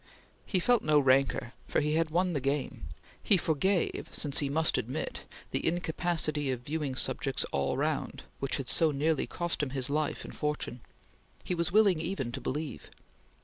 He felt no rancor, for he had won the game; he forgave, since he must admit, the "incapacity of viewing subjects all round" which had so nearly cost him life and fortune; he was willing even to believe.